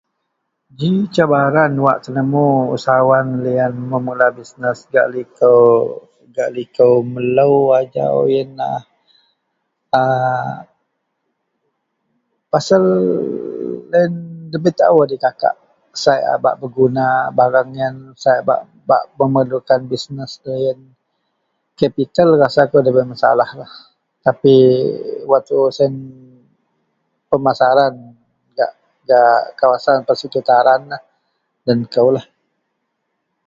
Ji cabaran wak tenemu usahawan liyan memula bisnes gak likou, gak likou melou ajau yenlah aaa pasel loyen ndabei taou adikakak sai a bak peguna bareng yen, sai a bak-bak memerelukan bisnes deloyen. Kapitel ndabei masalah lah tapi wak tuu siyen pemasaran gak, gak kawasan persekitaranlah.. Den koulah